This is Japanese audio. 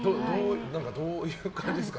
どういう感じですか？